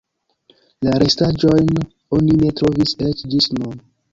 La restaĵojn oni ne trovis eĉ ĝis nun.